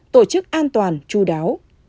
tổ chức an toàn chú đáo